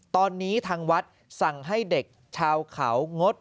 ตอนนี้ทางวัดสั่งให้เด็กชาวเขางด